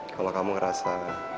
kalau kamu ngerasa